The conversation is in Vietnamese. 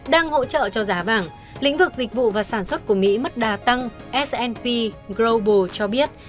đang hỗ trợ cho giá vàng lĩnh vực dịch vụ và sản xuất của mỹ mất đa tăng s p global cho biết